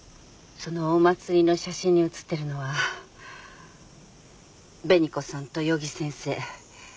そのお祭りの写真に写ってるのは紅子さんと余木先生。